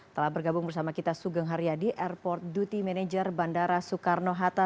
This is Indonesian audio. telah bergabung bersama kita sugeng haryadi airport duty manager bandara soekarno hatta